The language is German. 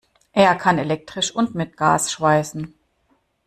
Er kann elektrisch und mit Gas schweißen.